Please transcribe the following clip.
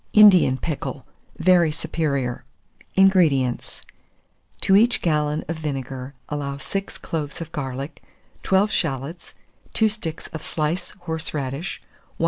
INDIAN PICKLE (very Superior). 451. INGREDIENTS. To each gallon of vinegar allow 6 cloves of garlic, 12 shalots, 2 sticks of sliced horseradish, 1/4 lb.